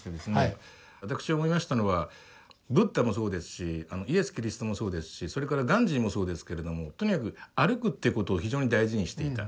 私が思いましたのはブッダもそうですしイエス・キリストもそうですしそれからガンジーもそうですけれどもとにかく歩くってことを非常に大事にしていた。